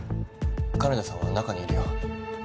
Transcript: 金田さんは中にいるよ。